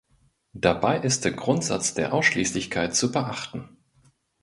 Dabei ist der Grundsatz der Ausschließlichkeit zu beachten.